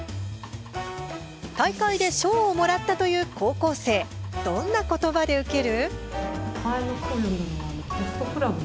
大会で賞をもらったという高校生どんな言葉で受ける？